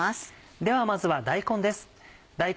ではまずは大根です。